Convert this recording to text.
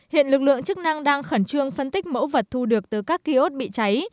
hiện lực lượng chức năng đang khẩn trương phân tích mẫu vật thu được từ các kiosk bị cháy